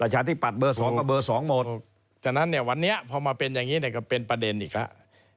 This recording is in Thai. ฉะนั้นเนี่ยวันนี้พอมาเป็นอย่างนี้ก็เป็นประเด็นอีกแล้ว